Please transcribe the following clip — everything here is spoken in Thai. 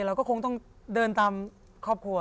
เราก็คงต้องเดินตามครอบครัว